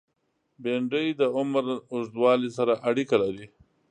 بېنډۍ د عمر اوږدوالی سره اړیکه لري